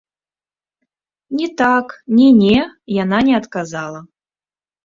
Ні так, ні не яна не адказала.